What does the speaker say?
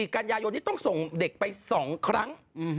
กันยายนนี้ต้องส่งเด็กไป๒ครั้ง